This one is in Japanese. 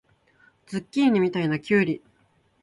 ズッキーニみたいなきゅうり